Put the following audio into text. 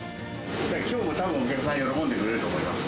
きょうもたぶん、お客さん喜んでくれると思います。